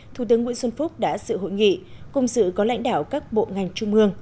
thủ tướng nguyễn xuân phúc đã sự hội nghị cùng sự có lãnh đạo các bộ ngành trung ương